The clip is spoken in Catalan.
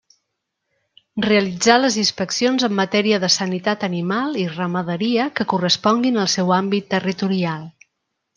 Realitzar les inspeccions en matèria de sanitat animal i ramaderia que corresponguin al seu àmbit territorial.